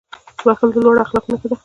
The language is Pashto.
• بښل د لوړو اخلاقو نښه ده.